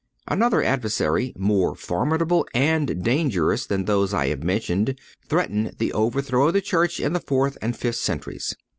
Another adversary more formidable and dangerous than those I have mentioned threatened the overthrow of the Church in the fourth and fifth centuries.